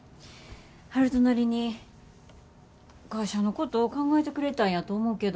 悠人なりに会社のこと考えてくれたんやと思うけど。